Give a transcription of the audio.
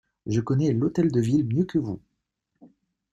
Je connais l'Hôtel de Ville mieux que vous!